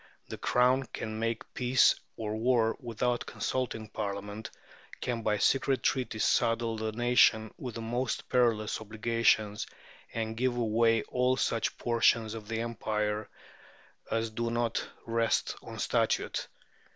" The Crown can make peace or war without consulting Parliament, can by secret treaty saddle the nation with the most perilous obligations, and give away all such portions of the empire as do not rest on Statute.